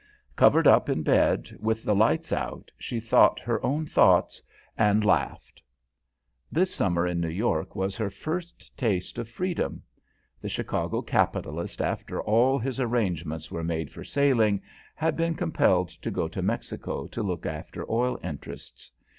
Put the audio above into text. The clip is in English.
Covered up in bed, with the lights out, she thought her own thoughts, and laughed. This summer in New York was her first taste of freedom. The Chicago capitalist, after all his arrangements were made for sailing, had been compelled to go to Mexico to look after oil interests.